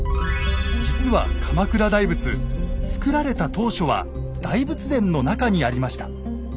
実は鎌倉大仏造られた当初は大仏殿の中にありました。